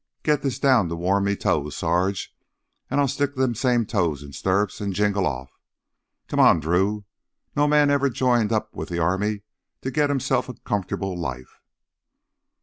"Git this down to warm m' toes, Sarge, an' I'll stick them same toes in the stirrups an' jingle off. Come on, Drew, no man never joined up with the army to git hisself a comfortable life...."